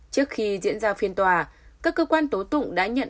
trước khi diễn ra phiên tòa các cơ quan tố tụng đã nhận